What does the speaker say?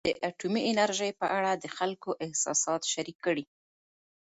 ازادي راډیو د اټومي انرژي په اړه د خلکو احساسات شریک کړي.